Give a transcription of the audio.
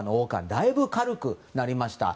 だいぶ軽くなりました。